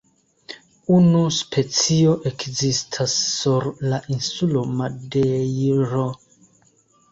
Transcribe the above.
Unu specio ekzistas sur la insulo Madejro.